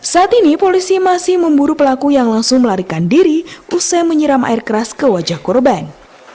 saat ini polisi masih memburu pelaku yang langsung melarikan diri usai menyiram air keras ke wajah korban